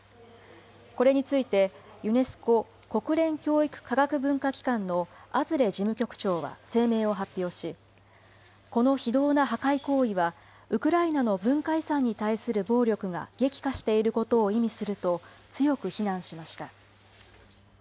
これについてユネスコ・国連教育科学文化機関のアズレ事務局長は声明を発表し、この非道な破壊行為は、ウクライナの文化遺産に対する暴力が激化していることを意味すると強く非難しました。